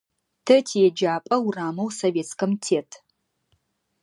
Тэ тиеджапӏэ урамэу Советскэм тет.